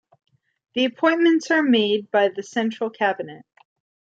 The appointments are made by the Central Cabinet.